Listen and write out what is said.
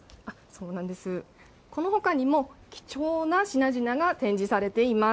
そうなんです、このほかにも、貴重な品々が展示されています。